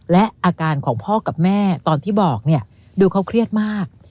และอาการของพ่อกับแม่ตอนที่บอกเนี่ยดูเขาเครียดมาก